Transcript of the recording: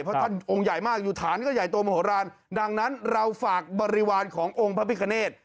เพราะท่านองค์ใหญ่มากอยู่ฐานก็ใหญ่โตมโหลานดังนั้นเราฝากบริวารขององค์พระพิคเนต